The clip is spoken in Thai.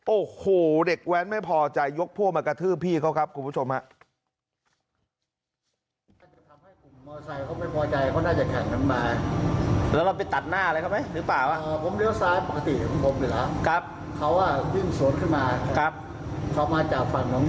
โอ้โหเด็กแว้นไม่พอใจยกพวกมากระทืบพี่เขาครับคุณผู้ชมฮะ